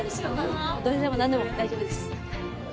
どれでも何でも大丈夫です。